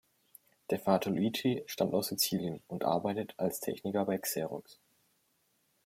Der Vater Luigi stammt aus Sizilien und arbeitet als Techniker bei Xerox.